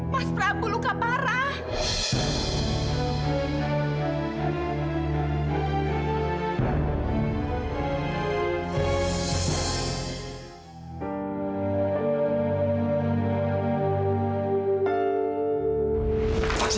mas prabu kak